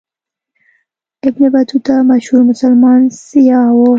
ابن بطوطه مشهور مسلمان سیاح و.